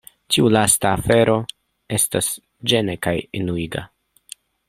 Tiu lasta afero estas ĝena kaj enuiga.